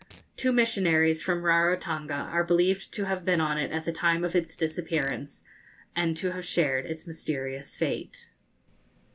Two missionaries from Rarotonga are believed to have been on it at the time of its disappearance, and to have shared its mysterious fate.